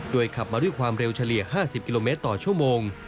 ขับมาด้วยความเร็วเฉลี่ย๕๐กิโลเมตรต่อชั่วโมง